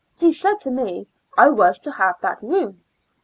He said to me I was to have that room.